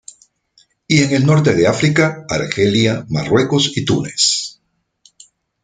Y en el norte de África, Argelia, Marruecos y Túnez.